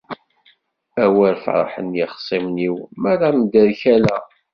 Awer ferḥen yixṣimen-iw mi ara mderkaleɣ.